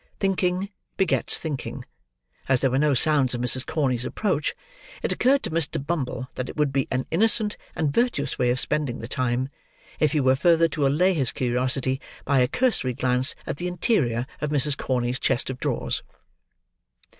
Thinking begets thinking; as there were no sounds of Mrs. Corney's approach, it occured to Mr. Bumble that it would be an innocent and virtuous way of spending the time, if he were further to allay his curiousity by a cursory glance at the interior of Mrs. Corney's chest of drawers.